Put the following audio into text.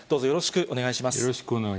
よろしくお願いします。